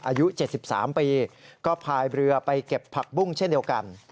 อายุ๗๓ปีก็พายเรือไปเก็บผักบุ้งเช่นเดียวกัน